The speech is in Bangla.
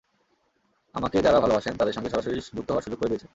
আমাকে যাঁরা ভালোবাসেন, তাঁদের সঙ্গে সরাসরি যুক্ত হওয়ার সুযোগ করে দিয়েছে।